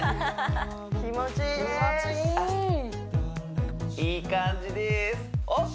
気持ちいいいい感じですＯＫ